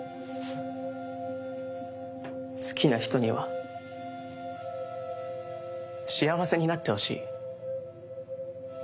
好きな人には幸せになってほしい。